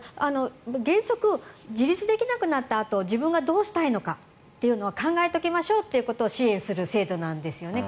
原則自立できなくなったあと自分がどうしたいのか考えておきましょうということを支援する制度なんですよね。